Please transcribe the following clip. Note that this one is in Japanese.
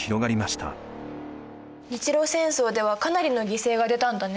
日露戦争ではかなりの犠牲が出たんだね。